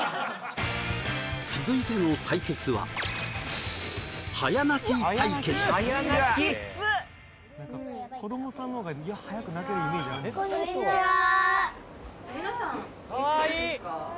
続いての対決はこんにちは